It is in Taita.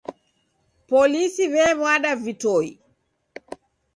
Polisi wewada vitoi.